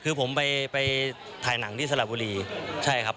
คือผมไปไปถ่ายหนังที่สระบุรีใช่ครับ